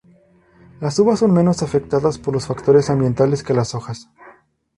Las uvas son menos afectadas por los factores ambientales que las hojas.